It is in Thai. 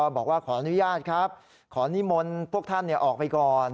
บอกว่าขออนุญาตครับขอนิมนต์พวกท่านออกไปก่อน